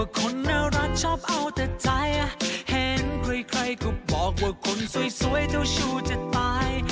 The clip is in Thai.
ใครก็บอกว่าคนสวยเท่าชูจะตาย